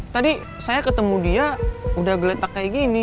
tadi saya ketemu dia udah geletak kayak gini